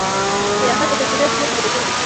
سیاحت د تجربې پلور ته بدل شوی دی.